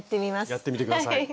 やってみて下さい。